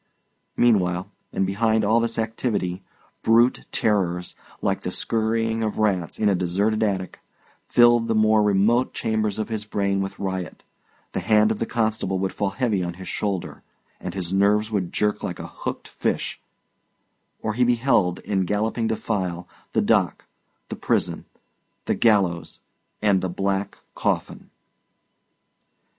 Meanwhile, and behind all this activity, brute terrors, like the scurrying of rats in a deserted attic, filled the more remote chambers of his brain with riot; the hand of the constable would fall heavy on his shoulder, and his nerves would jerk like a hooked fish; or he beheld, in galloping defile, the dock, the prison, the gallows, and the black coffin.